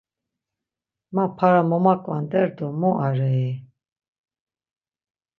Ma para mo maǩvander do mu are i!